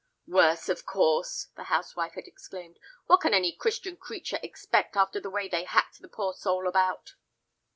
"Worse, of course!" the housewife had exclaimed; "what can any Christian creature expect after the way they hacked the poor soul about?"